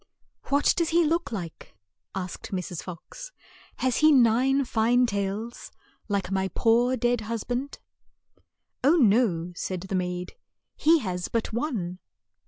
"What does he look like?" asked Mrs. Fox. "Has he nine fine tails, like my poor dead hus band?" ■ "Oh, no," said the maid, "he has but one."